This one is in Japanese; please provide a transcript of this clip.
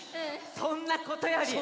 そんなことより。